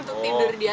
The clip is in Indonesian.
untuk tidur di atas